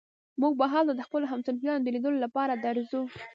موږ به هلته د خپلو همصنفيانو د ليدو لپاره درځو.